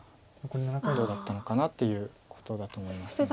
どうだったのかなということだと思います。